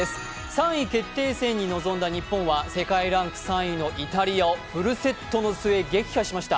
３位決定戦に臨んだ日本は世界ランク３位のイタリアをフルセットの末、撃破しました。